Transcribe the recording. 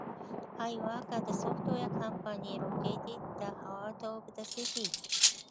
I work at a software company located in the heart of the city.